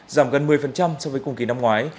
giảm gần một mươi so với cùng kỳ năm ngoái